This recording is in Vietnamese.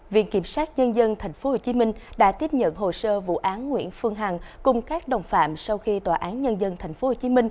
viện kiểm sát nhân dân tp hcm đã tiếp nhận hồ sơ vụ án nguyễn phương hằng cùng các đồng phạm sau khi tòa án nhân dân tp hcm